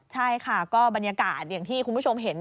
ใช่ค่ะก็บรรยากาศอย่างที่คุณผู้ชมเห็น